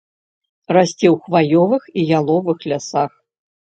Расце ў хваёвых і яловых лясах.